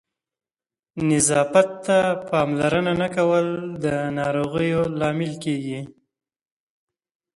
نظافت ته پاملرنه نه کول د ناروغیو لامل کېږي.